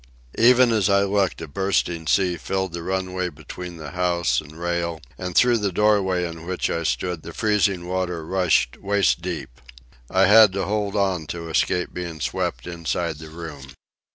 Even as I looked a bursting sea filled the runway between the house and rail, and through the doorway in which I stood the freezing water rushed waist deep. I had to hold on to escape being swept inside the room.